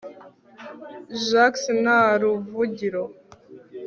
jacques ntaruvugiro